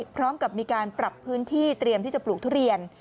พร้อมกับมีการปรับพื้นที่เตรียมที่จะปลูกทุเรียน